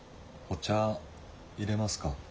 お茶いれますか？